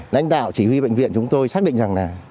lãnh đạo chỉ huy bệnh viện chúng tôi xác định rằng là